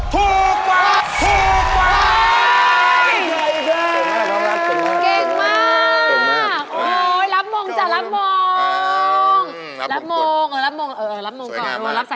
ถูกกว่า